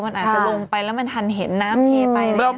มันอาจจะลงไปแล้วมันทันเห็นน้ำเทไป